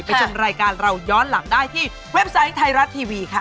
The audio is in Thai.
ชมรายการเราย้อนหลังได้ที่เว็บไซต์ไทยรัฐทีวีค่ะ